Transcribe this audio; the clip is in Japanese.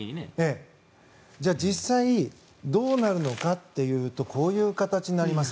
じゃあ実際どうなるのかっていうとこういう形になります。